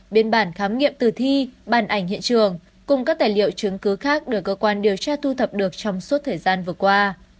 biên bản khám nghiệm tử thi bàn ảnh hiện trường cùng các tài liệu chứng cứ khác được cơ quan điều tra thu thập được trong suốt thời gian vừa qua